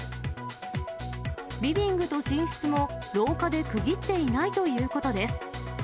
リビングと寝室も廊下で区切っていないということです。